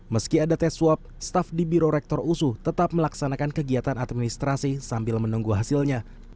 meski ada tes swab staf di biro rektor usu tetap melaksanakan kegiatan administrasi sambil menunggu hasilnya